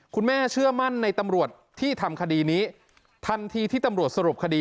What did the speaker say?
เชื่อมั่นในตำรวจที่ทำคดีนี้ทันทีที่ตำรวจสรุปคดี